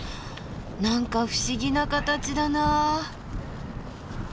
何か不思議な形だな。